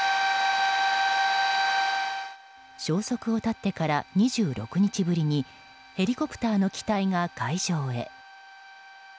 消息を絶ってから２６日ぶりにヘリコプターの機体が海上へ。